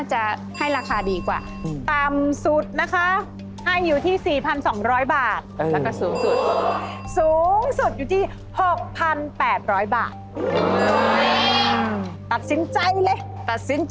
ชอบดูดวงนี่ไงอ้าว